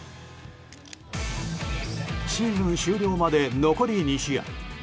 シーズン終了まで残り２試合。